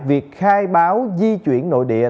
việc khai báo di chuyển nội địa